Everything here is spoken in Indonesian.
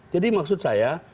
jadi maksud saya